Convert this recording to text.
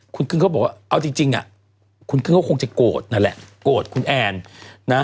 คุณกึ้งเขาบอกว่าเอาจริงอ่ะคุณกึ้งก็คงจะโกรธนั่นแหละโกรธคุณแอนนะ